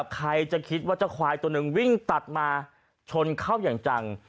ใครจะคิดว่าเจ้าควายตัวหนึ่งวิ่งตัดมาชนเข้าอย่างจัง